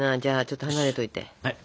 じゃあちょっと離れといて。